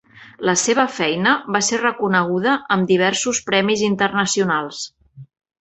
La seva feina va ser reconeguda amb diversos premis internacionals.